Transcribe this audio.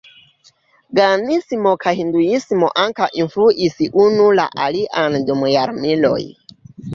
Ĝajnismo kaj Hinduismo ankaŭ influis unu la alian dum jarmiloj.